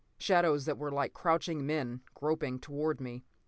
Shadows that were like crouching men, groping toward me.